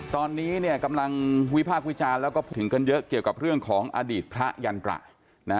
ตอนนี้เนี่ยกำลังวิพากษ์วิจารณ์แล้วก็พูดถึงกันเยอะเกี่ยวกับเรื่องของอดีตพระยันตระ